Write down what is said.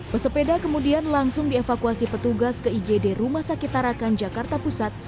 pesepeda kemudian langsung dievakuasi petugas ke igd rumah sakit tarakan jakarta pusat